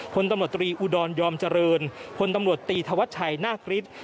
พลตำรวจตรีอุดรยอมเจริญพลตำรวจตีธวัชชัยนาคฤทธิ์